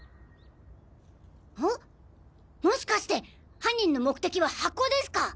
もしかして犯人の目的は箱ですか！？